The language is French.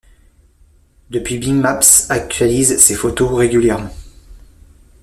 Depuis Bing Maps actualise ces photos régulièrement.